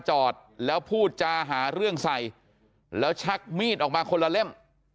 จอดแล้วพูดจาหาเรื่องใส่แล้วชักมีดออกมาคนละเล่ม